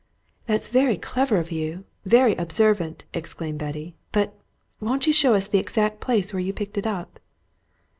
"That's very clever of you, very observant!" exclaimed Betty. "But won't you show us the exact place where you picked it up?"